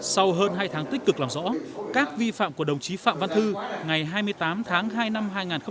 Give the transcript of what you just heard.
sau hơn hai tháng tích cực làm rõ các vi phạm của đồng chí phạm văn thư ngày hai mươi tám tháng hai năm hai nghìn hai mươi